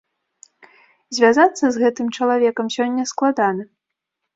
Звязацца з гэтым чалавекам сёння складана.